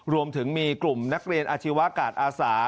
รวมถึงมีกลุ่มนักเรียนอาชีวะกาศอาสา